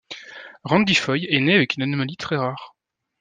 Randy Foye est né avec une anomalie très rare.